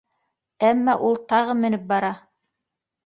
Әммә ул тағы менеп бара!